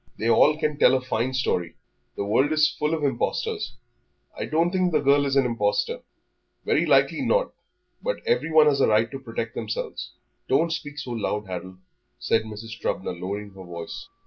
They all can tell a fine story; the world is full of impostors." "I don't think the girl is an impostor." "Very likely not, but everyone has a right to protect themselves." "Don't speak so loud, Harold," said Mrs. Trubner, lowering her voice.